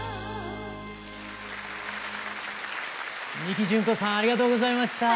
美貴じゅん子さんありがとうございました。